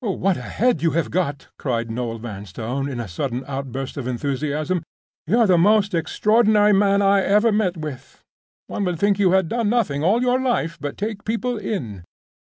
"What a head you have got!" cried Noel Vanstone, in a sudden outburst of enthusiasm. "You're the most extraordinary man I ever met with. One would think you had done nothing all your life but take people in."